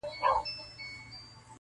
بدوي ټولنه توره څېره لري ډېر,